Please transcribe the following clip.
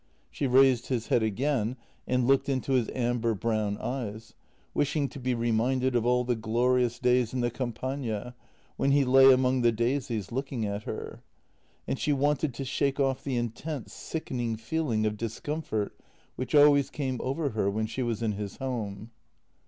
She raised his head again and looked into his amber brown eyes, wishing to be reminded of all the glorious days in the Campagna, when he lay among the daisies looking at her. And she wanted to shake off the intense, sickening feeling of discomfort which always came over her when she was in his home.